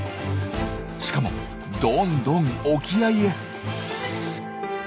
しかもどんどん沖合へ。